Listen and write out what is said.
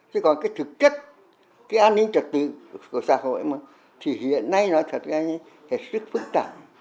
chứ còn thực chất an ninh trật tự của xã hội thì hiện nay nói thật là rất phức tạp